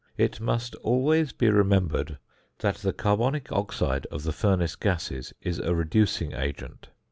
It must always be remembered, that the carbonic oxide of the furnace gases is a reducing agent.